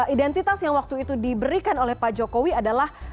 identitas yang waktu itu diberikan oleh pak jokowi adalah